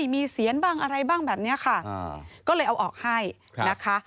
มีเสียนบ้างอะไรบ้างแบบนี้ค่ะก็เลยเอาออกให้นะคะ